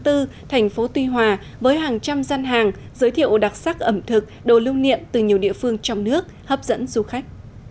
thành phố tuy hòa với hàng trăm gian hàng giới thiệu đặc sắc ẩm thực đồ lưu niệm từ nhiều địa phương trong nước hấp dẫn du khách